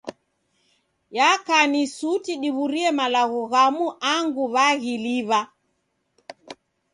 Yaka ni suti diw'urie malagho ghamu angu waghiliw'a.